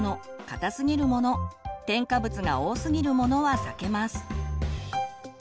硬すぎるもの添加物が多すぎるものは避けます。